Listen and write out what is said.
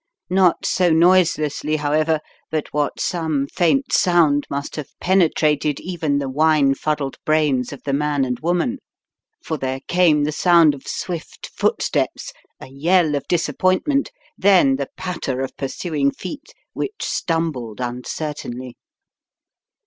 Not so noise lessly, however, but what some faint sound must have penetrated even the wine fuddled brains of the man and woman, for there came the sound of swift Dollops Takes a Hand 215 footsteps, a yell of disappointment, then the patter of pursuing feet which stumbled uncertainly.